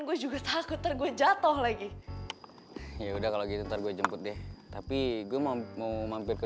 gue juga takut tergoyah toh lagi ya udah kalau gitu taruh jemput deh tapi gue mau mampir ke